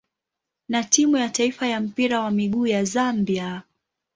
na timu ya taifa ya mpira wa miguu ya Zambia.